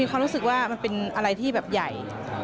เขารู้สึกว่ามันเป็นอะไรที่แบบใหญ่